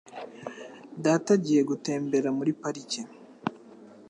Data agiye gutembera muri parike.